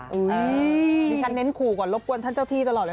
ดิฉันเน้นขู่ก่อนรบกวนท่านเจ้าที่ตลอดเลย